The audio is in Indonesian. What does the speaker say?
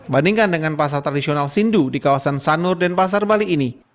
bandingkan dengan pasar tradisional sindu di kawasan sanur dan pasar bali ini